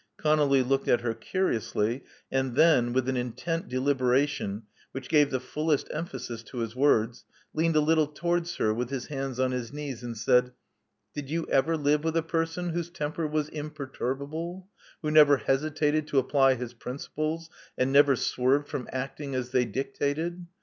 Conolly looked at her curiously, and then, with an intent deliberation which gave the fullest emphasis to his words, leaned a little towards her with his hands on his knees, and said, Did you ever live with a per son whose temper was imperturbable — who never hesitated to apply his principles, and never swerved from acting as they dictated?